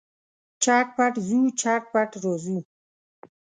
چټ پټ ځو، چټ پټ راځو.